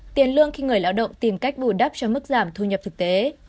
tiền lương khi người lao động tìm cách bù đắp cho mức giảm thu nhập thực tế